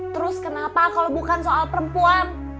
terus kenapa kalau bukan soal perempuan